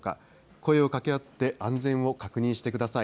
声をかけ合って安全を確認してください。